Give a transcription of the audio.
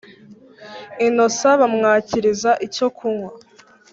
innocent bamwakiriza icyo kunwa